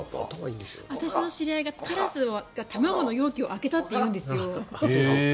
私の知り合いがカラスが卵の容器を開けたっていうんですよ。